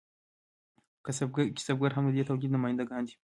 کسبګر هم د دې تولید نماینده ګان دي.